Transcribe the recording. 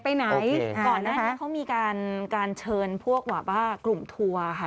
ก่อนนั้นเขามีการเชิญพวกว่ากลุ่มทัวร์ค่ะ